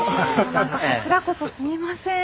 何かこちらこそすみません。